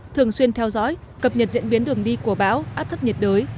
thường xuyên theo dõi cập nhật diễn biến đường đi của bão áp thấp nhiệt đới